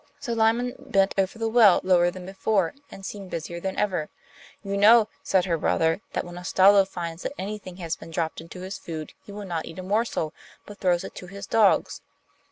So Lyman bent over the well lower than before, and seemed busier than ever. 'You know,' said her brother, 'that when a Stalo finds that anything has been dropped into his food he will not eat a morsel, but throws it to his dogs.